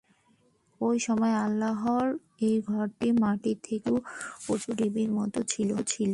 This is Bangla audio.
ঐ সময় আল্লাহর এ ঘরটি মাটির থেকে কিছু উঁচু ঢিবির মত ছিল।